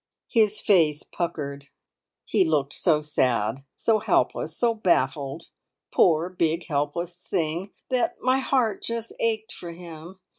His face puckered; he looked so sad, so helpless, so baffled, poor, big, helpless thing, that my heart just ached for him.